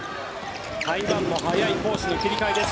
台湾も速い攻守の切り替えです。